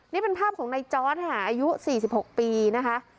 นี่เป็นภาพของนายจ๊อจอายุ๔๖ปีนะคะ